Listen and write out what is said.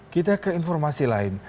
kita ke informasi lain